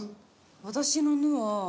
私の「ぬ」は。